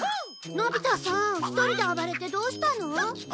のび太さん１人で暴れてどうしたの？